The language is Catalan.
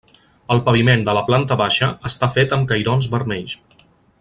El paviment de la planta baixa està fet amb cairons vermells.